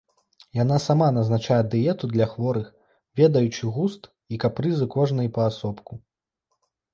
Яна сама назначае дыету для хворых, ведаючы густ і капрызы кожнай паасобку.